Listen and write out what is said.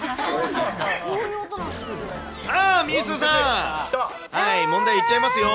さあ、みーすーさん、問題いっちゃいますよ。